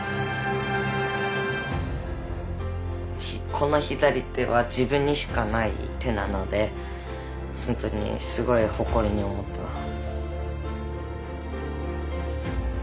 この左手は自分にしかない手なので本当にすごく誇りに思っています。